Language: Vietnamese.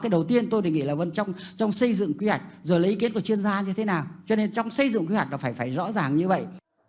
đầu tiên tôi thì nghĩ là vấn trong xây dựng quy hoạch rồi lấy ý kiến của chuyên gia như thế nào cho nên trong xây dựng quy hoạch nó phải rõ ràng như vậy